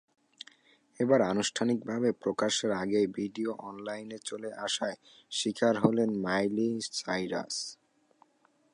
এবার আনুষ্ঠানিকভাবে প্রকাশের আগেই ভিডিও অনলাইনে চলে আসার শিকার হলেন মাইলি সাইরাস।